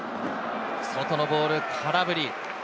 外のボール、空振り。